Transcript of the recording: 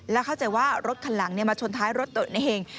และเข้าใจว่ารถคันหลังมาชนท้ายรถตัวเอง